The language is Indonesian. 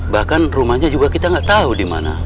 bahkan rumahnya juga kita nggak tahu di mana